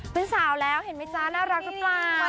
เป็นสาวแล้วเห็นไหมจ๊ะน่ารักหรือเปล่า